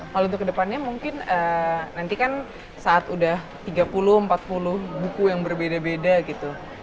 kalau untuk kedepannya mungkin nanti kan saat udah tiga puluh empat puluh buku yang berbeda beda gitu